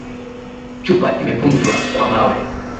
Chupa imevunjwa kwa mawe.